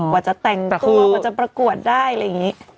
กว่าจะแต่งตัวกว่าจะประกวดได้อะไรอย่างนี้